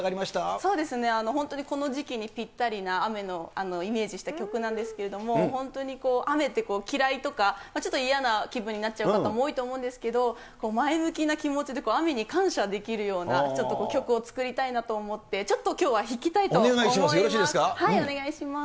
そうですね、本当にこの時期にぴったりな雨をイメージした曲なんですけれども、本当にこう、雨って嫌いとか、ちょっと嫌な気分になっちゃう方も多いと思うんですけど、前向きな気持ちで雨に感謝できるような、ちょっと曲を作りたいなと思って、ちょっときょうは弾きたいと思いお願いします。